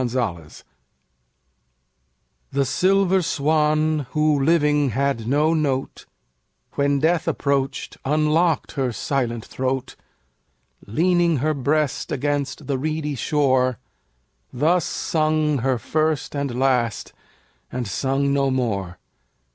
6 Autoplay The silver swan, who living had no note, When death approach'd, unlock'd her silent throat; Leaning her breast against the reedy shore, Thus sung her first and last, and sung no more.